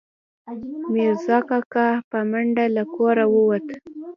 میرزا کاکا، په منډه له کوره ووت